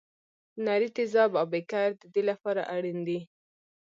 نري تیزاب او بیکر د دې لپاره اړین دي.